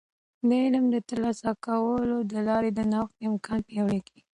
د علم د ترلاسه کولو د لارې د نوښت امکان پیاوړی کیږي.